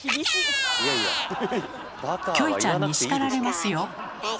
キョエちゃんに叱られますよ。